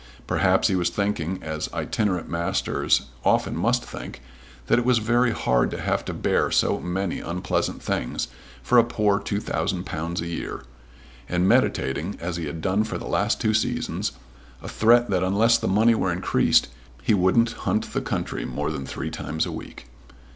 Perhaps he was thinking, as itinerant masters often must think, that it was very hard to have to bear so many unpleasant things for a poor £2,000 a year, and meditating, as he had done for the last two seasons, a threat that unless the money were increased, he wouldn't hunt the country more than three times a week.